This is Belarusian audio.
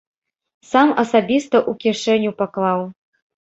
Сам асабіста ў кішэню паклаў.